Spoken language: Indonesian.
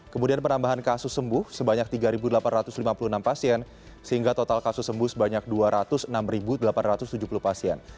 kemudian penambahan kasus sembuh sebanyak tiga delapan ratus lima puluh enam pasien sehingga total kasus sembuh sebanyak dua ratus enam delapan ratus tujuh puluh pasien